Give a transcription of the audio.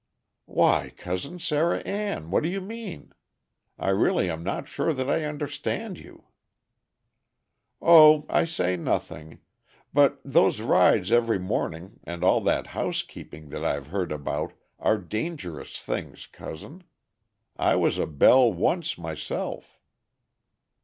"Why, Cousin Sarah Ann, what do you mean? I really am not sure that I understand you." "Oh! I say nothing; but those rides every morning and all that housekeeping that I've heard about, are dangerous things, cousin. I was a belle once myself."